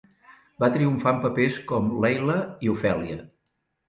Va triomfar en papers com Leila i Ofèlia.